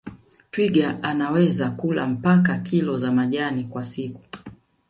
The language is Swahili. Twiga anaweza kula mpaka kilo za majani kwa siku